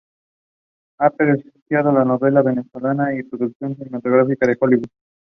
He then left for Perugia.